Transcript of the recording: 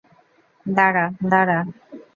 দাঁড়া, দাঁড়া!